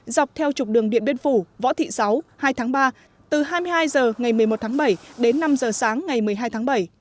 dọc theo trục đường điện biên phủ võ thị sáu hai tháng ba từ hai mươi hai h ngày một mươi một tháng bảy đến năm h sáng ngày một mươi hai tháng bảy